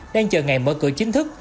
đang chờ ngày mở cửa chính thức